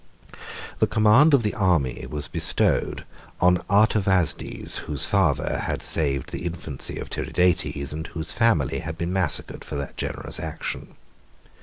56 The command of the army was bestowed on Artavasdes, whose father had saved the infancy of Tiridates, and whose family had been massacred for that generous action.